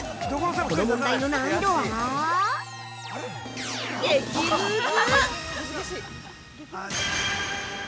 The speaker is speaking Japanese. この問題の難易度は激ムズ。